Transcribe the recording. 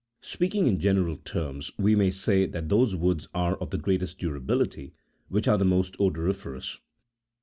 Speaking in general terms, we may say that those woods are of the greatest durability which are the most odoriferous.